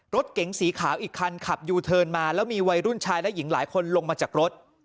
รถเก๋งสีขาวอีกคันขับยูเทิร์นมาแล้วมีวัยรุ่นชายและหญิงหลายคนลงมาจากรถ